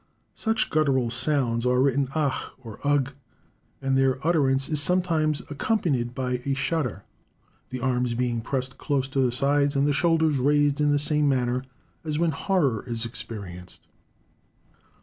Such guttural sounds are written ach or ugh; and their utterance is sometimes accompanied by a shudder, the arms being pressed close to the sides and the shoulders raised in the same manner as when horror is experienced.